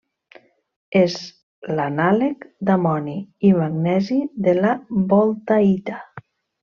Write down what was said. És l'anàleg d'amoni i magnesi de la voltaïta.